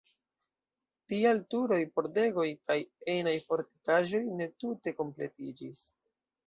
Tial turoj, pordegoj kaj enaj fortikaĵoj ne tute kompletiĝis.